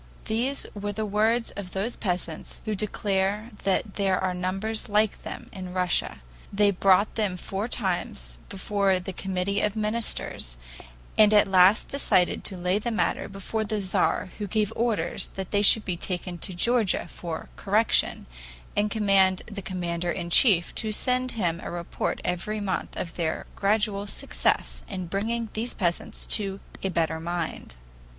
These were the words of those peasants, who declare that there are numbers like them Russia. They brought them four times before the Committee of Ministers, and at last decided to lay the matter before the Tzar who gave orders that they should be taken to Georgia for correction, and commanded the commander in chief to send him a report every month of their gradual success in bringing these peasants to a better mind."